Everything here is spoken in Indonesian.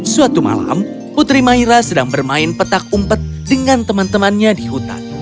suatu malam putri maira sedang bermain petak umpet dengan teman temannya di hutan